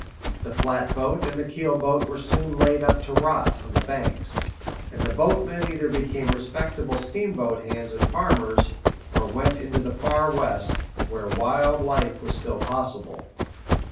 The flatboat and the keel boat were soon laid up to rot on the banks; and the boatmen either became respectable steamboat hands and farmers, or went into the Far West, where wild life was still possible.